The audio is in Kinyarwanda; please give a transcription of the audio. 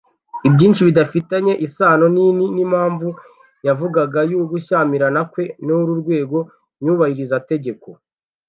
ibyinshi bidafitanye isano nini n’impamvu yavugaga y’ugushyamirana kwe n’uru rwego nyubahirizategeko